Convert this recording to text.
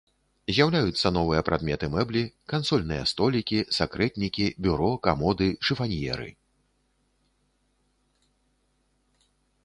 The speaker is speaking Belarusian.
З'яўляюцца новыя прадметы мэблі, кансольныя столікі, сакрэтнікі, бюро, камоды, шыфаньеры.